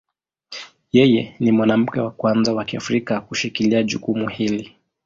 Yeye ni mwanamke wa kwanza wa Kiafrika kushikilia jukumu hili.